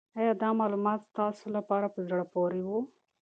آیا دا معلومات ستاسو لپاره په زړه پورې وو؟